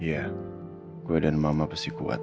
iya gue dan mama pasti kuat